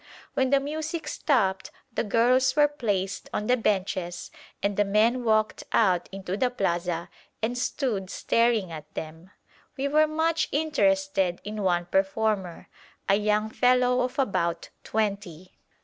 When the music stopped, the girls were placed on the benches, and the men walked out into the plaza and stood staring at them. We were much interested in one performer, a young fellow of about twenty.